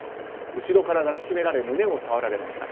後ろから抱きしめられ胸を触られました。